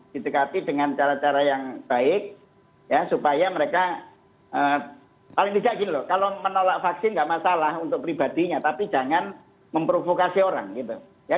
didekati dengan cara cara yang baik ya supaya mereka paling tidak gini loh kalau menolak vaksin nggak masalah untuk pribadinya tapi jangan memprovokasi orang gitu